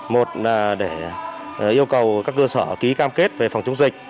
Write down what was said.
một là để yêu cầu các cơ sở ký cam kết về phòng chống dịch